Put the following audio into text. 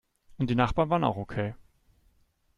Und die Nachbarn waren auch okay.